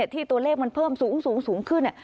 ที่ตัวเลขมันเพิ่มสูงขึ้น